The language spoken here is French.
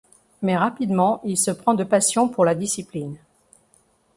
Mais rapidement il se prend de passion pour la discipline.